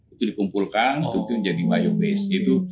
itu dikumpulkan itu menjadi biobase gitu